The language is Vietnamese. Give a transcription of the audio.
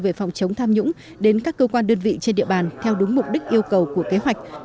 về phòng chống tham nhũng đến các cơ quan đơn vị trên địa bàn theo đúng mục đích yêu cầu của kế hoạch